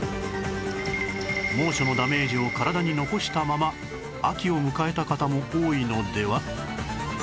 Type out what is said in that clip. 猛暑のダメージを体に残したまま秋を迎えた方も多いのでは？